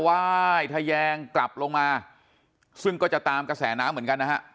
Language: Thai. ไหว้ทะแยงกลับลงมาซึ่งก็จะตามกระแสน้ำเหมือนกันนะฮะ